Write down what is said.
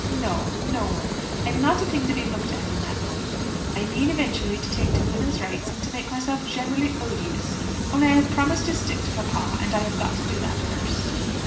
"No, no one. I am not a thing to be looked at in that light. I mean eventually to take to women's rights, and to make myself generally odious. Only I have promised to stick to papa, and I have got to do that first.